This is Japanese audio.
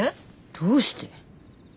どうして。